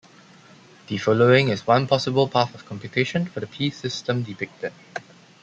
The following is one possible path of computation for the P system depicted.